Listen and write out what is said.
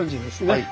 はい。